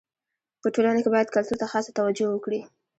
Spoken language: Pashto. په ټولنه کي باید کلتور ته خاصه توجو وکړي.